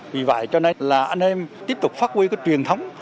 vì vậy cho nên là anh em tiếp tục phát huy cái truyền thống